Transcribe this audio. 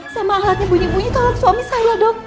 sama alatnya bunyi bunyi tolong suami saya dok